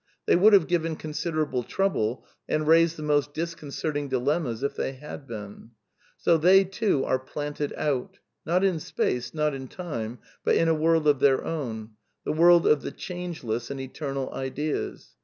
They would have given con siderable trouble, and raised the most disconcerting di lemmas if they had been; so they, too, are plan ted ou t; not in space, not in time ; but in a world oFlheirlSwn ; the world of th e change less and eternal Ideas.